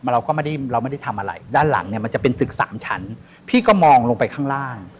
เราก็ไม่ได้ทำอะไรด้านหลังมันจะเป็นตึก๓ชั้นพี่ก็มองลงไปข้างล่าง